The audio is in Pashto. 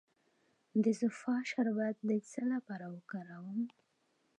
د زوفا شربت د څه لپاره وکاروم؟